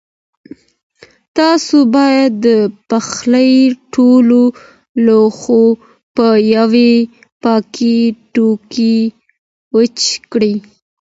تاسو باید د پخلي ټول لوښي په یوې پاکې ټوټې وچ کړئ.